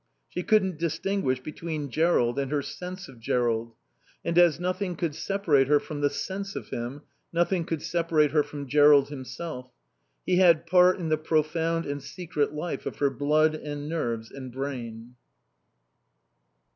She couldn't distinguish between Jerrold and her sense of Jerrold; and as nothing could separate her from the sense of him, nothing could separate her from Jerrold himself. He had part in the profound and secret life of her blood and nerves and brain.